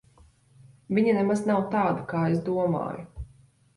Viņa nemaz nav tāda, kā es domāju.